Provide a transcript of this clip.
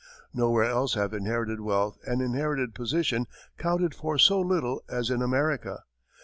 Nowhere else have inherited wealth and inherited position counted for so little as in America.